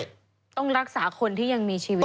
ต้องรักษาคนที่ยังมีชีวิต